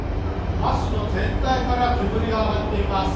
バスの全体から煙が上がっています。